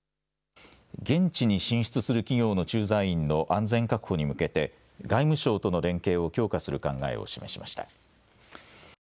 現地に進出する企業の駐在員の安全確保に向けて外務省との連携を強化する考えを示しました。